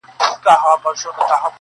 دا خو ډيره گرانه ده,